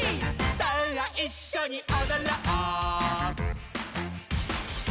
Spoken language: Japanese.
さあいっしょにおどろう」